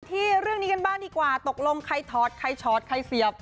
ที่เรื่องนี้กันบ้างดีกว่าตกลงใครถอดใครถอดใครเสียบ